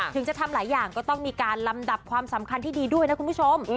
ถึงจะทำหลายอย่างก็ต้องมีการลำดับความสำคัญที่ดีด้วยนะคุณผู้ชม